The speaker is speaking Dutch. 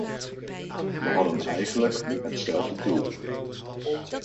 We hadden eigenlijk hetzelfde doel.